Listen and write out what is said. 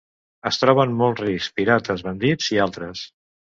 Es troben molts riscs: pirates, bandits, i altres.